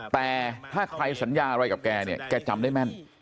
แต่ถ้าใครสัญญาอะไรกับแกเนี่ยแกจำได้แม่น